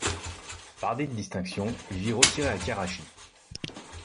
Bardé de distinctions, il vit retiré à Karachi.